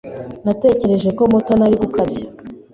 Natekereje ko Mutoni ari gukabya.